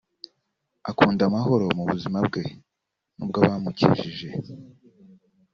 akunda amahoro mu buzima bwe n’ubw’abamukikije